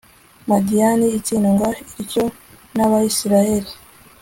madiyani itsindwa ityo n'abayisraheli